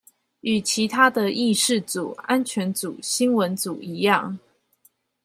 與其他的議事組安全組新聞組一樣